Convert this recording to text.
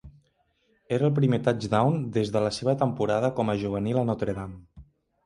Era el primer touchdown des de la seva temporada com a juvenil a Notre Dame.